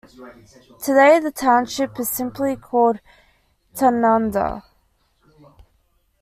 Today the township is simply called Tanunda.